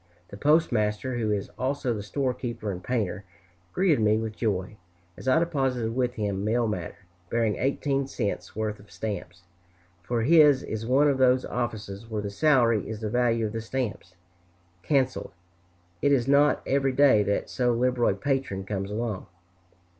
The postmaster, who is also the storekeeper and painter, greeted me with joy, as I deposited with him mail matter bearing eighteen cents' worth of stamps; for his is one of those offices where the salary is the value of the stamps cancelled. It is not every day that so liberal a patron comes along.